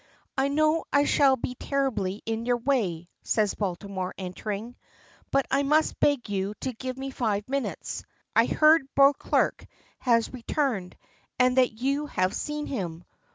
"I know I shall be terribly in your way," says Baltimore, entering, "but I must beg you to give me five minutes. I hear Beauclerk has returned, and that you have seen him.